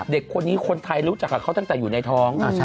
เด็กคนนี้คนไทยรู้จักกับเขาตั้งแต่อยู่ในท้อง